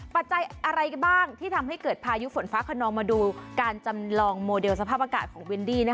ปัจจัยอะไรบ้างที่ทำให้เกิดพายุฝนฟ้าขนองมาดูการจำลองโมเดลสภาพอากาศของวินดี้